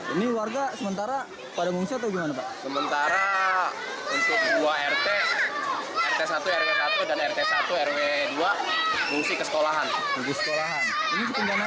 ini warga sementara pada mengungsi atau gimana pak